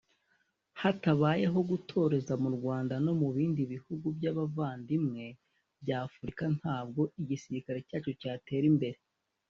Hatabayeho gutoreza mu Rwanda no mu bindi bihugu by’abavandimwe bya Afurika ntabwo igisirikare cyacu cyatera imbere